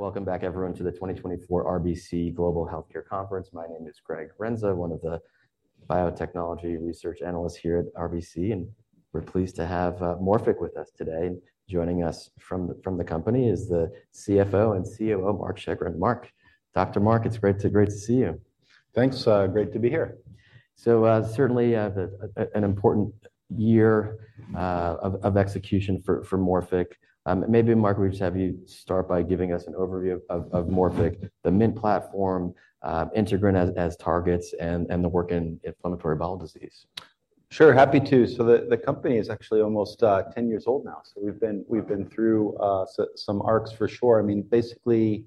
Welcome back, everyone, to the 2024 RBC Global Healthcare Conference. My name is Greg Renza, one of the biotechnology research analysts here at RBC, and we're pleased to have Morphic with us today. Joining us from the company is the CFO and COO, Marc Schegerin. Marc, Dr. Marc, it's great to see you. Thanks. Great to be here. Certainly an important year of execution for Morphic. Maybe, Marc, we just have you start by giving us an overview of Morphic, the MInT platform, integrin as targets, and the work in inflammatory bowel disease. Sure, happy to. So the company is actually almost 10 years old now, so we've been through some arcs for sure. I mean, basically,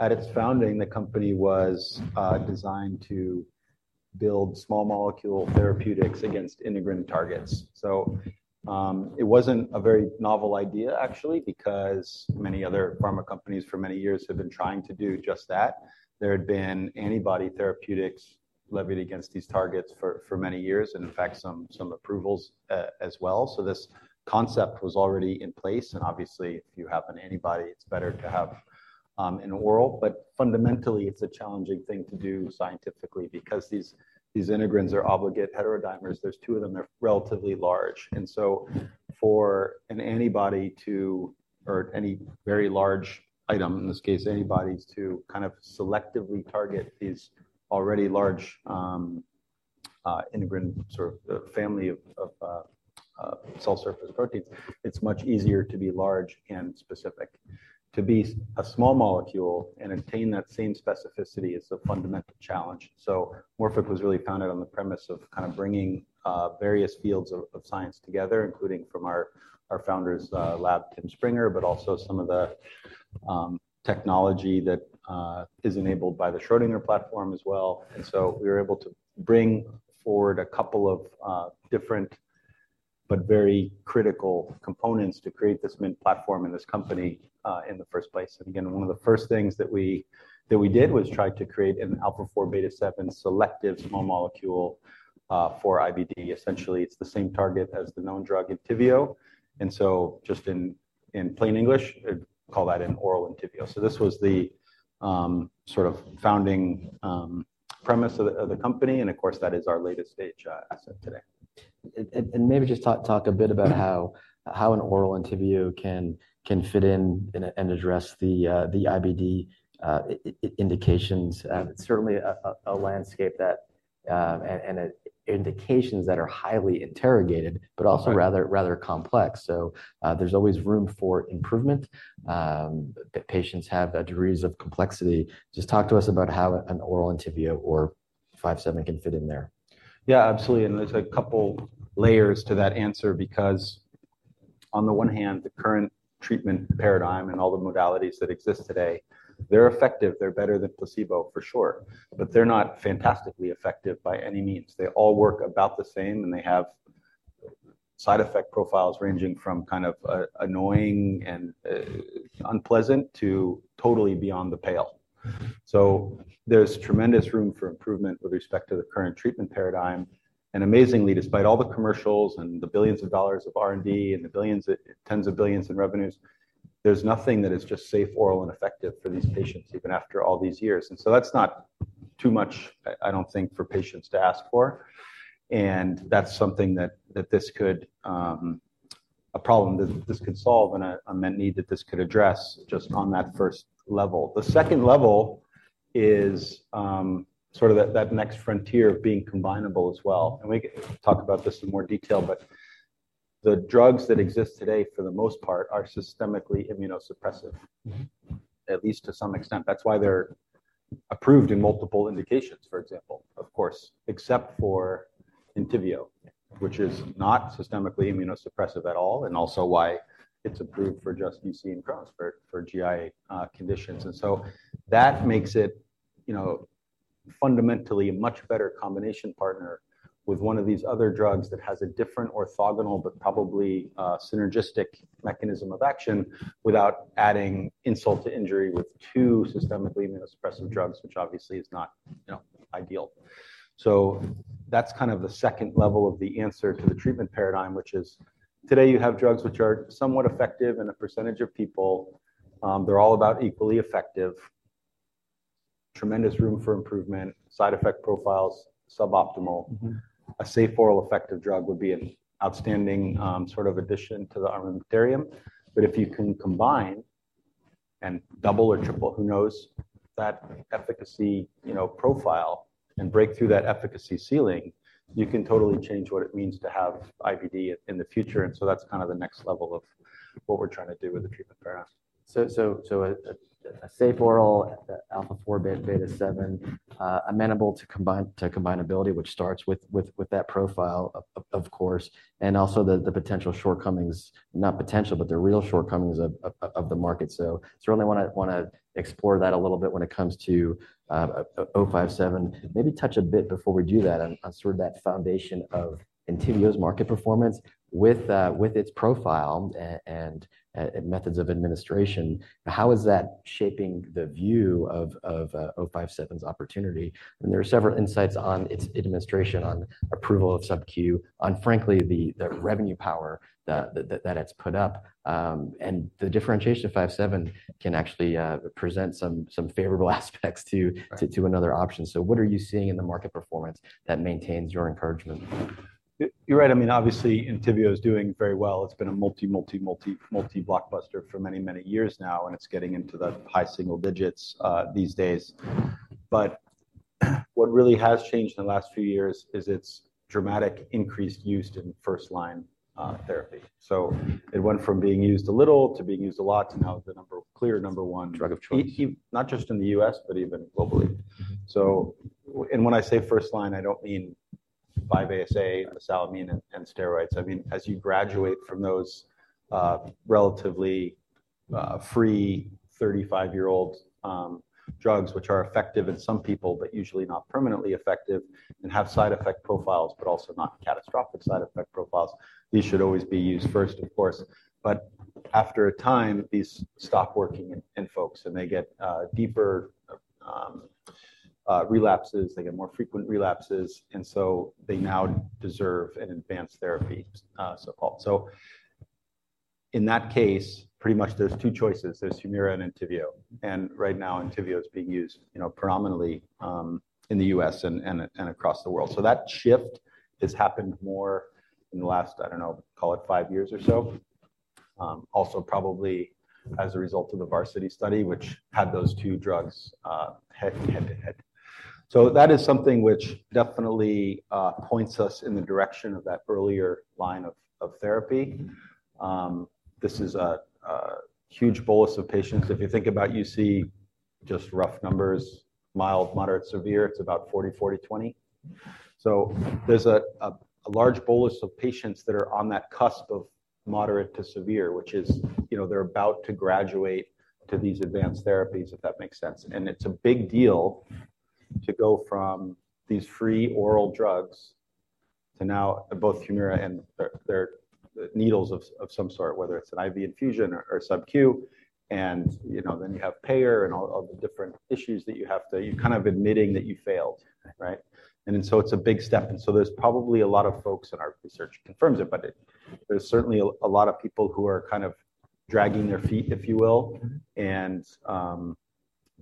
at its founding, the company was designed to build small molecule therapeutics against integrin targets. So it wasn't a very novel idea, actually, because many other pharma companies for many years have been trying to do just that. There had been antibody therapeutics levied against these targets for many years, and in fact, some approvals as well. So this concept was already in place. And obviously, if you have an antibody, it's better to have an oral. But fundamentally, it's a challenging thing to do scientifically because these integrins are obligate heterodimers. There's 2 of them. They're relatively large. So for an antibody to, or any very large item, in this case, antibodies to kind of selectively target these already large integrin sort of family of cell surface proteins, it's much easier to be large and specific. To be a small molecule and attain that same specificity is the fundamental challenge. So Morphic was really founded on the premise of kind of bringing various fields of science together, including from our founder's lab, Tim Springer, but also some of the technology that is enabled by the Schrödinger platform as well. And so we were able to bring forward a couple of different but very critical components to create this MInT platform and this company in the first place. And again, one of the first things that we did was try to create an alpha-4 beta-7 selective small molecule for IBD. Essentially, it's the same target as the known drug Entyvio. And so just in plain English, call that an oral Entyvio. So this was the sort of founding premise of the company. And of course, that is our latest-stage asset today. And maybe just talk a bit about how an oral Entyvio can fit in and address the IBD indications. It's certainly a landscape and indications that are highly interrogated, but also rather complex. So there's always room for improvement. Patients have degrees of complexity. Just talk to us about how an oral Entyvio or 4/7 can fit in there. Yeah, absolutely. And there's a couple layers to that answer because on the one hand, the current treatment paradigm and all the modalities that exist today, they're effective. They're better than placebo, for sure. But they're not fantastically effective by any means. They all work about the same, and they have side effect profiles ranging from kind of annoying and unpleasant to totally beyond the pale. So there's tremendous room for improvement with respect to the current treatment paradigm. And amazingly, despite all the commercials and the billions of dollars of R&D and the tens of billions in revenues, there's nothing that is just safe, oral, and effective for these patients, even after all these years. And so that's not too much, I don't think, for patients to ask for. That's something that this could be a problem that this could solve and an unmet need that this could address just on that first level. The second level is sort of that next frontier of being combinable as well. We can talk about this in more detail. But the drugs that exist today, for the most part, are systemically immunosuppressive, at least to some extent. That's why they're approved in multiple indications, for example, of course, except for Entyvio, which is not systemically immunosuppressive at all, and also why it's approved for just UC and Crohn's, for GI conditions. So that makes it fundamentally a much better combination partner with one of these other drugs that has a different orthogonal but probably synergistic mechanism of action without adding insult to injury with two systemically immunosuppressive drugs, which obviously is not ideal. So that's kind of the second level of the answer to the treatment paradigm, which is today you have drugs which are somewhat effective in a percentage of people. They're all about equally effective. Tremendous room for improvement. Side effect profiles suboptimal. A safe, oral, effective drug would be an outstanding sort of addition to the armamentarium. But if you can combine and double or triple, who knows, that efficacy profile and break through that efficacy ceiling, you can totally change what it means to have IBD in the future. And so that's kind of the next level of what we're trying to do with the treatment paradigm. So a safe, oral, alpha-4 beta-7, amenable to combinability, which starts with that profile, of course, and also the potential shortcomings not potential, but the real shortcomings of the market. So certainly want to explore that a little bit when it comes to MORF-057. Maybe touch a bit before we do that on sort of that foundation of Entyvio's market performance with its profile and methods of administration. How is that shaping the view of MORF-057's opportunity? And there are several insights on its administration, on approval of sub-Q, on frankly, the revenue power that it's put up. And the differentiation of MORF-057 can actually present some favorable aspects to another option. So what are you seeing in the market performance that maintains your encouragement? You're right. I mean, obviously, Entyvio is doing very well. It's been a multi, multi, multi, multi-blockbuster for many, many years now, and it's getting into the high single digits these days. But what really has changed in the last few years is its dramatic increased use in first-line therapy. So it went from being used a little to being used a lot to now the clear number one. Drug of choice. Not just in the U.S., but even globally. When I say first-line, I don't mean 5-ASA, mesalamine, and steroids. I mean, as you graduate from those relatively free 35-year-old drugs, which are effective in some people but usually not permanently effective and have side effect profiles but also not catastrophic side effect profiles, these should always be used first, of course. But after a time, these stop working in folks, and they get deeper relapses. They get more frequent relapses. So they now deserve an advanced therapy, so-called. In that case, pretty much there's two choices. There's Humira and Entyvio. And right now, Entyvio is being used predominantly in the U.S. and across the world. So that shift has happened more in the last, I don't know, call it five years or so, also probably as a result of the VARSITY study, which had those two drugs head to head. So that is something which definitely points us in the direction of that earlier line of therapy. This is a huge bolus of patients. If you think about UC, just rough numbers, mild, moderate, severe, it's about 40, 40, 20. So there's a large bolus of patients that are on that cusp of moderate to severe, which is they're about to graduate to these advanced therapies, if that makes sense. And it's a big deal to go from these free oral drugs to now both Humira and their needles of some sort, whether it's an IV infusion or sub-Q. Then you have payer and all the different issues that you have to, you're kind of admitting that you failed, right? So it's a big step. So there's probably a lot of folks, and our research confirms it, but there's certainly a lot of people who are kind of dragging their feet, if you will, and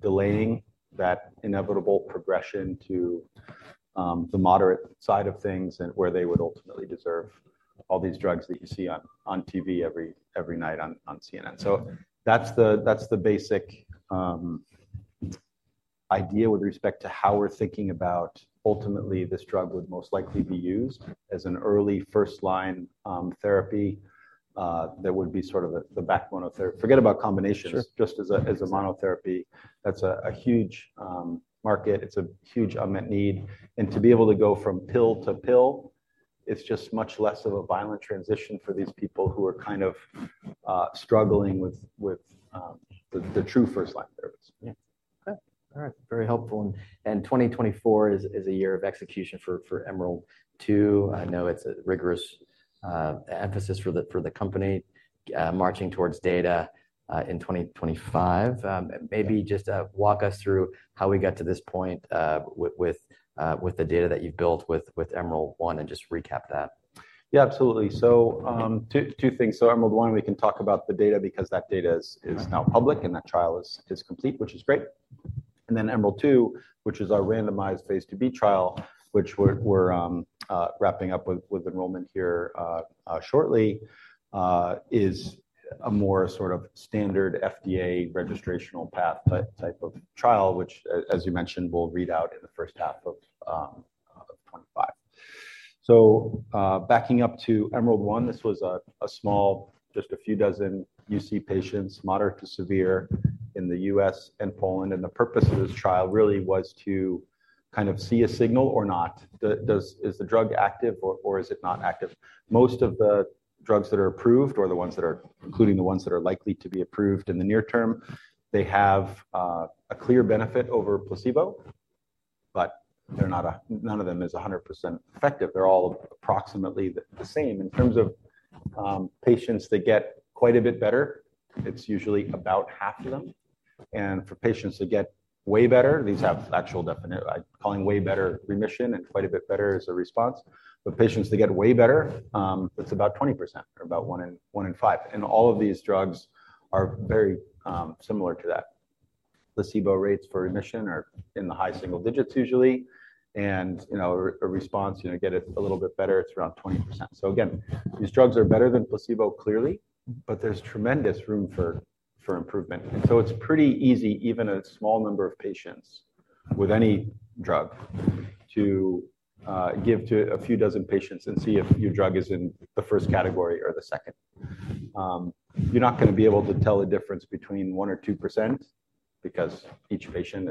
delaying that inevitable progression to the moderate side of things and where they would ultimately deserve all these drugs that you see on TV every night on CNN. That's the basic idea with respect to how we're thinking about ultimately this drug would most likely be used as an early first-line therapy. That would be sort of the backbone of therapy. Forget about combinations just as a monotherapy. That's a huge market. It's a huge unmet need. To be able to go from pill to pill, it's just much less of a violent transition for these people who are kind of struggling with the true first-line therapies. Yeah. All right. Very helpful. 2024 is a year of execution for EMERALD-2. I know it's a rigorous emphasis for the company, marching towards data in 2025. Maybe just walk us through how we got to this point with the data that you've built with EMERALD-1 and just recap that. Yeah, absolutely. So two things. So EMERALD-1, we can talk about the data because that data is now public and that trial is complete, which is great. And then EMERALD-2, which is our randomized phase 2b trial, which we're wrapping up with enrollment here shortly, is a more sort of standard FDA registrational path type of trial, which, as you mentioned, will read out in the first half of 2025. So backing up to EMERALD-1, this was a small, just a few dozen UC patients, moderate to severe, in the U.S. and Poland. And the purpose of this trial really was to kind of see a signal or not. Is the drug active, or is it not active? Most of the drugs that are approved or the ones that are including the ones that are likely to be approved in the near term, they have a clear benefit over placebo. But none of them is 100% effective. They're all approximately the same. In terms of patients that get quite a bit better, it's usually about half of them. And for patients that get way better, these have actual definite I'm calling way better remission and quite a bit better as a response. But patients that get way better, it's about 20% or about 1 in 5. And all of these drugs are very similar to that. Placebo rates for remission are in the high single digits, usually. And a response, get it a little bit better, it's around 20%. So again, these drugs are better than placebo clearly, but there's tremendous room for improvement. And so it's pretty easy, even a small number of patients with any drug, to give to a few dozen patients and see if your drug is in the first category or the second. You're not going to be able to tell the difference between 1% or 2% because each patient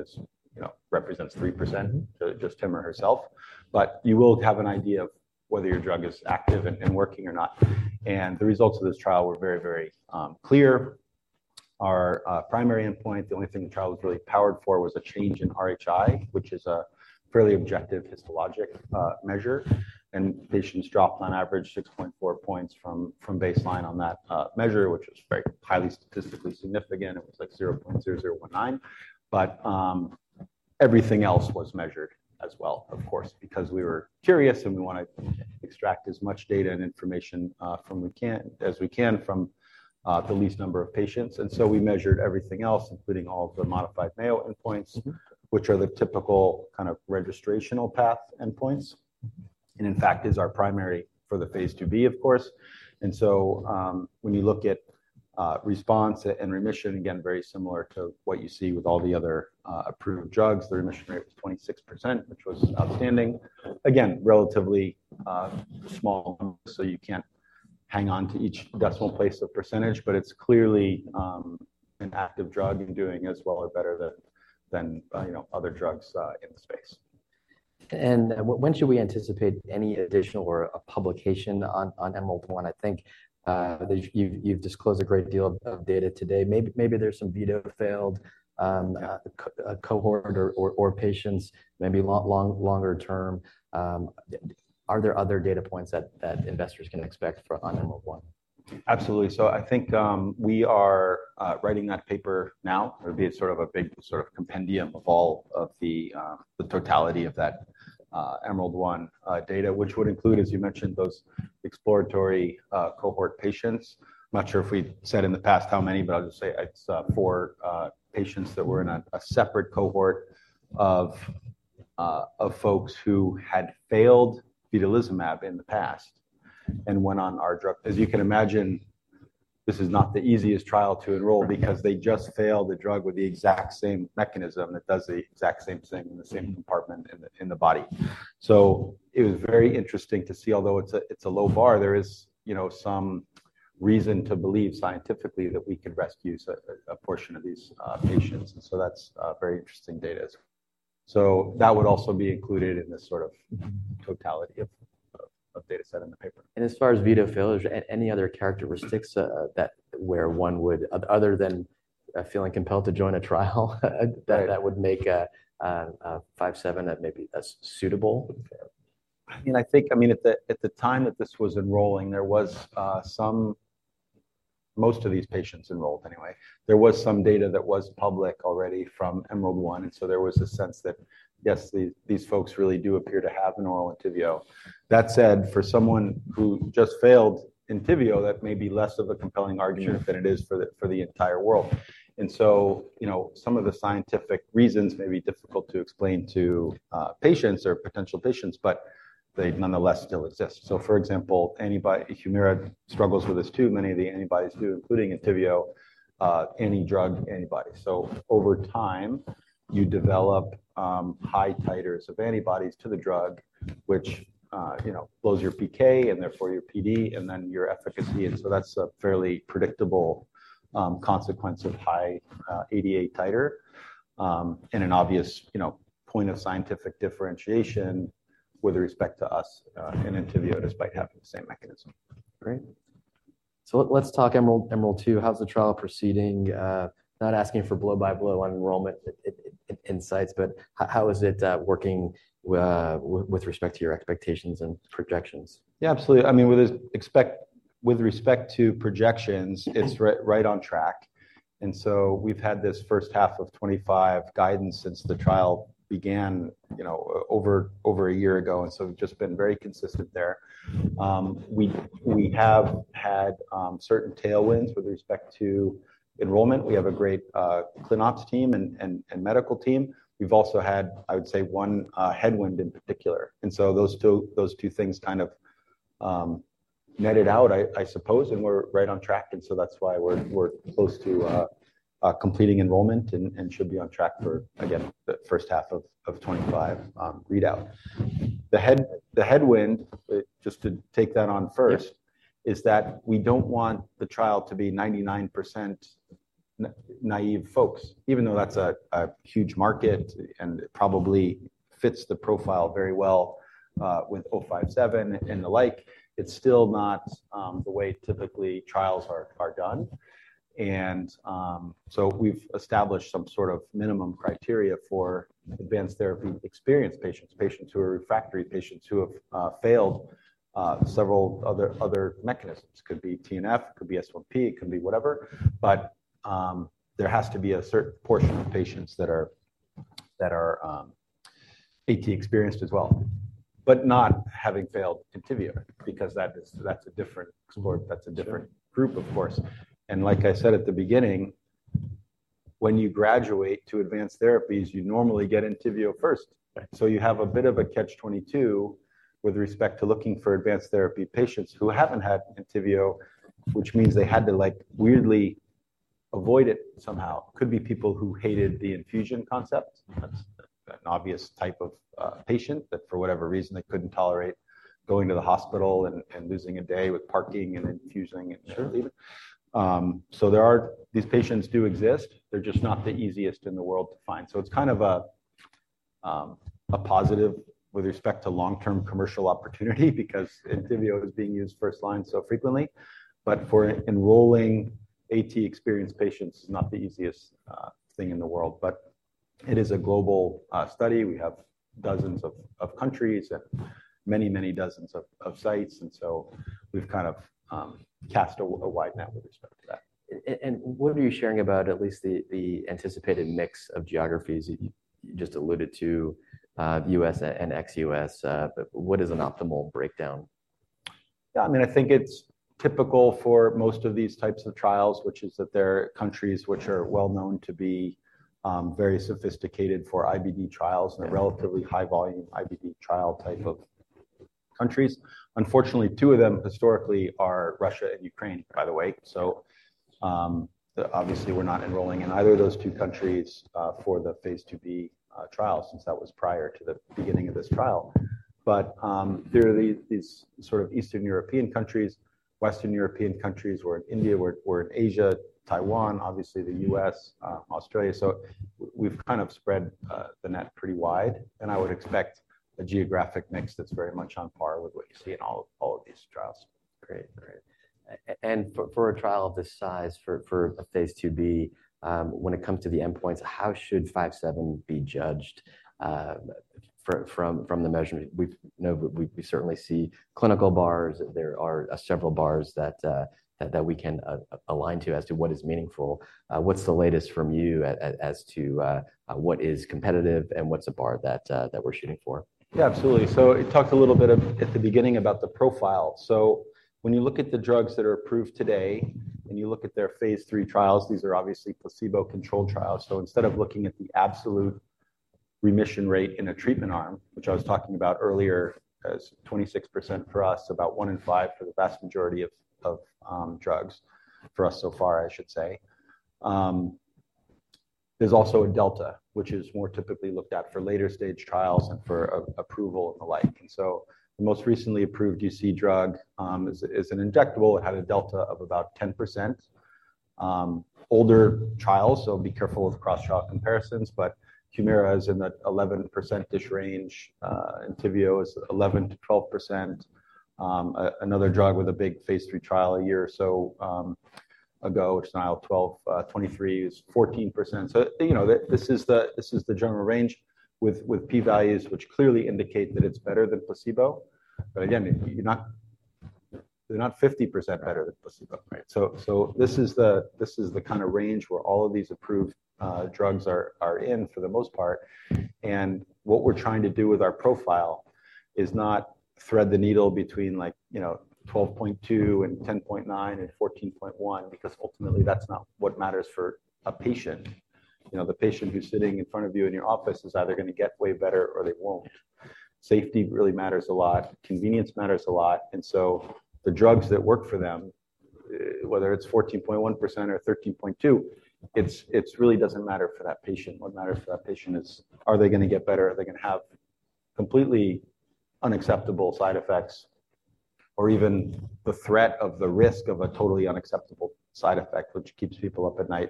represents 3%, just him or herself. But you will have an idea of whether your drug is active and working or not. The results of this trial were very, very clear. Our primary endpoint, the only thing the trial was really powered for, was a change in RHI, which is a fairly objective histologic measure. Patients dropped on average 6.4 points from baseline on that measure, which was very highly statistically significant. It was like 0.0019. Everything else was measured as well, of course, because we were curious and we want to extract as much data and information as we can from the least number of patients. We measured everything else, including all of the Modified Mayo endpoints, which are the typical kind of registrational path endpoints and, in fact, is our primary for the phase 2b, of course. When you look at response and remission, again, very similar to what you see with all the other approved drugs. The remission rate was 26%, which was outstanding. Again, relatively small, so you can't hang on to each decimal place of percentage. But it's clearly an active drug and doing as well or better than other drugs in the space. When should we anticipate any additional or a publication on EMERALD-1? I think you've disclosed a great deal of data today. Maybe there's some vedolizumab-failed cohort or patients, maybe longer term. Are there other data points that investors can expect on EMERALD-1? Absolutely. So I think we are writing that paper now. It'll be sort of a big sort of compendium of all of the totality of that EMERALD-1 data, which would include, as you mentioned, those exploratory cohort patients. I'm not sure if we said in the past how many, but I'll just say it's four patients that were in a separate cohort of folks who had failed vedolizumab in the past and went on our drug. As you can imagine, this is not the easiest trial to enroll because they just failed a drug with the exact same mechanism that does the exact same thing in the same compartment in the body. So it was very interesting to see, although it's a low bar, there is some reason to believe scientifically that we could rescue a portion of these patients. And so that's very interesting data as well. That would also be included in this sort of totality of data set in the paper. As far as vedolizumab failure, any other characteristics where one would, other than feeling compelled to join a trial, that would make 4/7 maybe as suitable? I mean, I think, I mean, at the time that this was enrolling, there was some most of these patients enrolled anyway. There was some data that was public already from EMERALD-1. And so there was a sense that, yes, these folks really do appear to have an oral Entyvio. That said, for someone who just failed Entyvio, that may be less of a compelling argument than it is for the entire world. And so some of the scientific reasons may be difficult to explain to patients or potential patients, but they nonetheless still exist. So for example, Humira struggles with this too. Many of the antibodies do, including Entyvio, anti-drug antibodies. So over time, you develop high titers of antibodies to the drug, which blows your PK and therefore your PD and then your efficacy. And so that's a fairly predictable consequence of high ADA titer and an obvious point of scientific differentiation with respect to us and Entyvio despite having the same mechanism. Great. So let's talk EMERALD-2. How's the trial proceeding? Not asking for blow by blow on enrollment insights, but how is it working with respect to your expectations and projections? Yeah, absolutely. I mean, with respect to projections, it's right on track. And so we've had this first half of 2025 guidance since the trial began over a year ago. And so we've just been very consistent there. We have had certain tailwinds with respect to enrollment. We have a great ClinOps team and medical team. We've also had, I would say, one headwind in particular. And so those two things kind of netted out, I suppose, and we're right on track. And so that's why we're close to completing enrollment and should be on track for, again, the first half of 2025 readout. The headwind, just to take that on first, is that we don't want the trial to be 99% naive folks. Even though that's a huge market and it probably fits the profile very well with 057 and the like, it's still not the way typically trials are done. And so we've established some sort of minimum criteria for advanced therapy experienced patients, patients who are refractory, patients who have failed several other mechanisms. It could be TNF, it could be S1P, it could be whatever. But there has to be a certain portion of patients that are AT experienced as well, but not having failed Entyvio because that's a different group, of course. And like I said at the beginning, when you graduate to advanced therapies, you normally get Entyvio first. So you have a bit of a catch-22 with respect to looking for advanced therapy patients who haven't had Entyvio, which means they had to weirdly avoid it somehow. It could be people who hated the infusion concept. That's an obvious type of patient that, for whatever reason, they couldn't tolerate going to the hospital and losing a day with parking and infusing and leaving. So these patients do exist. They're just not the easiest in the world to find. So it's kind of a positive with respect to long-term commercial opportunity because Entyvio is being used first line so frequently. But for enrolling IV-experienced patients, it's not the easiest thing in the world. But it is a global study. We have dozens of countries and many, many dozens of sites. And so we've kind of cast a wide net with respect to that. What are you sharing about at least the anticipated mix of geographies? You just alluded to the U.S. and ex-U.S. What is an optimal breakdown? Yeah, I mean, I think it's typical for most of these types of trials, which is that there are countries which are well known to be very sophisticated for IBD trials and a relatively high-volume IBD trial type of countries. Unfortunately, two of them historically are Russia and Ukraine, by the way. So obviously, we're not enrolling in either of those two countries for the phase 2b trial since that was prior to the beginning of this trial. But there are these sort of Eastern European countries, Western European countries, where in India, we're in Asia, Taiwan, obviously, the US, Australia. So we've kind of spread the net pretty wide. And I would expect a geographic mix that's very much on par with what you see in all of these trials. Great. Great. And for a trial of this size for a phase 2b, when it comes to the endpoints, how should alpha-4 beta-7 be judged from the measurement? We certainly see clinical bars. There are several bars that we can align to as to what is meaningful. What's the latest from you as to what is competitive and what's a bar that we're shooting for? Yeah, absolutely. So it talks a little bit at the beginning about the profile. So when you look at the drugs that are approved today and you look at their phase III trials, these are obviously placebo-controlled trials. So instead of looking at the absolute remission rate in a treatment arm, which I was talking about earlier as 26% for us, about 1 in 5 for the vast majority of drugs for us so far, I should say, there's also a delta, which is more typically looked at for later stage trials and for approval and the like. And so the most recently approved UC drug is an injectable. It had a delta of about 10%. Older trials, so be careful with cross-trial comparisons. But Humira is in the 11%-ish range. Entyvio is 11%-12%. Another drug with a big phase III trial a year or so ago, which is an IL-12/23 is 14%. So this is the general range with p-values, which clearly indicate that it's better than placebo. But again, they're not 50% better than placebo, right? So this is the kind of range where all of these approved drugs are in for the most part. And what we're trying to do with our profile is not thread the needle between 12.2 and 10.9 and 14.1 because ultimately, that's not what matters for a patient. The patient who's sitting in front of you in your office is either going to get way better or they won't. Safety really matters a lot. Convenience matters a lot. And so the drugs that work for them, whether it's 14.1% or 13.2, it really doesn't matter for that patient. What matters for that patient is, are they going to get better? Are they going to have completely unacceptable side effects or even the threat of the risk of a totally unacceptable side effect, which keeps people up at night?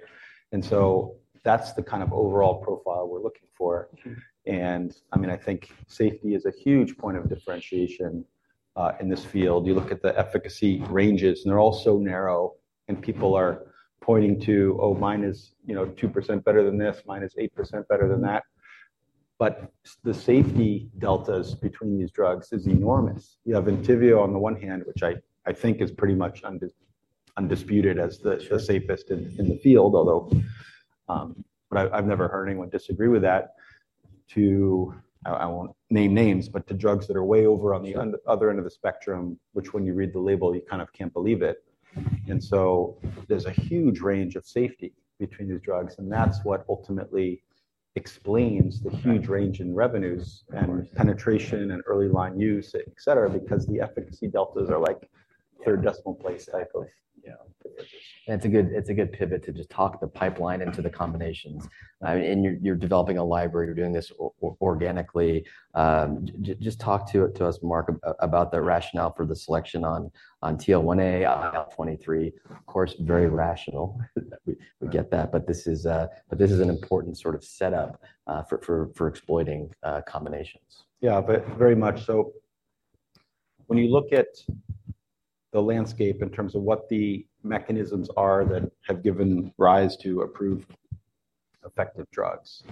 And so that's the kind of overall profile we're looking for. And I mean, I think safety is a huge point of differentiation in this field. You look at the efficacy ranges, and they're all so narrow. And people are pointing to, oh, mine is 2% better than this, mine is 8% better than that. But the safety deltas between these drugs is enormous. You have Entyvio on the one hand, which I think is pretty much undisputed as the safest in the field, although I've never heard anyone disagree with that, to I won't name names, but to drugs that are way over on the other end of the spectrum, which when you read the label, you kind of can't believe it. And so there's a huge range of safety between these drugs. And that's what ultimately explains the huge range in revenues and penetration and early line use, et cetera, because the efficacy deltas are like third decimal place type of differences. That's a good pivot to just talk the pipeline into the combinations. And you're developing a library. You're doing this organically. Just talk to us, Marc, about the rationale for the selection on TL1A, IL-23. Of course, very rational. We get that. But this is an important sort of setup for exploiting combinations. Yeah, very much. So when you look at the landscape in terms of what the mechanisms are that have given rise to approved effective drugs,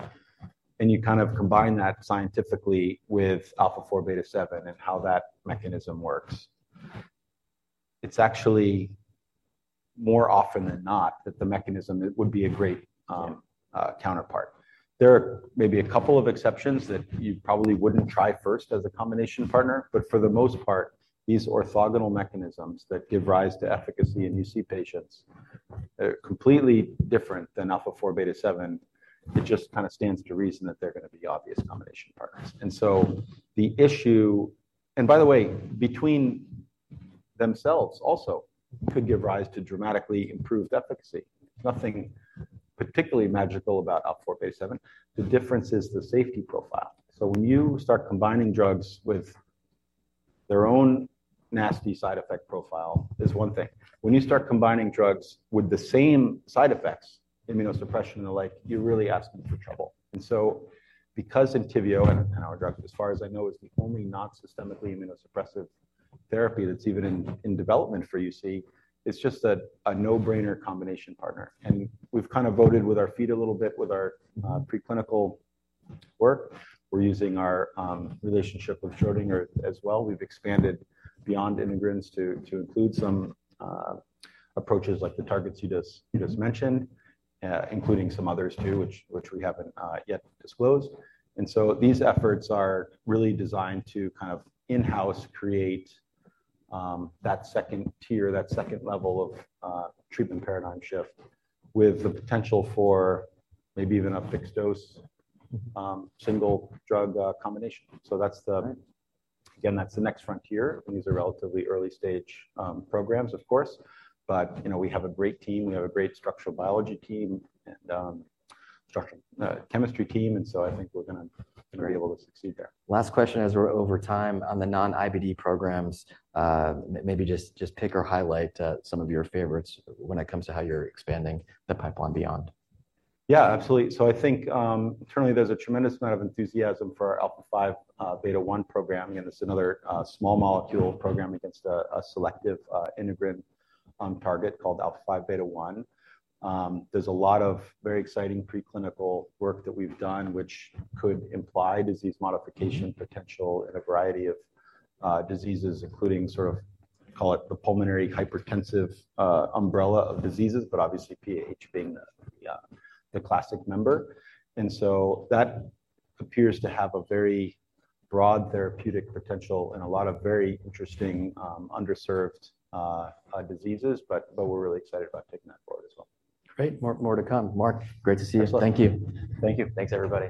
and you kind of combine that scientifically with alpha-4 beta-7, and how that mechanism works, it's actually more often than not that the mechanism would be a great counterpart. There are maybe a couple of exceptions that you probably wouldn't try first as a combination partner. But for the most part, these orthogonal mechanisms that give rise to efficacy in UC patients are completely different than alpha-4 beta-7. It just kind of stands to reason that they're going to be obvious combination partners. And so the issue, and by the way, between themselves also, could give rise to dramatically improved efficacy. There's nothing particularly magical about alpha-4 beta-7. The difference is the safety profile. So when you start combining drugs with their own nasty side effect profile is one thing. When you start combining drugs with the same side effects, immunosuppression and the like, you're really asking for trouble. And so because Entyvio, and our drug, as far as I know, is the only non-systemically immunosuppressive therapy that's even in development for UC, it's just a no-brainer combination partner. And we've kind of voted with our feet a little bit with our preclinical work. We're using our relationship with Schrödinger as well. We've expanded beyond integrins to include some approaches like the targets you just mentioned, including some others too, which we haven't yet disclosed. And so these efforts are really designed to kind of in-house create that second tier, that second level of treatment paradigm shift with the potential for maybe even a fixed dose single drug combination. So again, that's the next frontier. And these are relatively early stage programs, of course. But we have a great team. We have a great structural biology team and chemistry team. And so I think we're going to be able to succeed there. Last question as we're over time on the non-IBD programs. Maybe just pick or highlight some of your favorites when it comes to how you're expanding the pipeline beyond. Yeah, absolutely. So I think currently, there's a tremendous amount of enthusiasm for our alpha-5 beta-1 program. Again, it's another small molecule program against a selective integrin target called alpha-5 beta-1. There's a lot of very exciting preclinical work that we've done, which could imply disease modification potential in a variety of diseases, including sort of call it the pulmonary hypertensive umbrella of diseases, but obviously, PAH being the classic member. And so that appears to have a very broad therapeutic potential and a lot of very interesting underserved diseases. But we're really excited about taking that forward as well. Great. More to come. Marc, great to see you. Thank you. Thank you. Thanks, everybody.